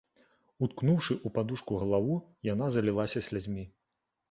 Уткнуўшы ў падушку галаву, яна залілася слязьмі.